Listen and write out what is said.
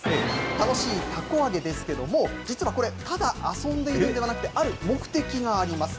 楽しいたこ揚げですけれども、実はこれ、ただ遊んでいるんではなくて、ある目的があります。